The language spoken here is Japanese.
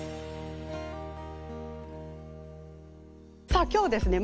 さあ今日ですね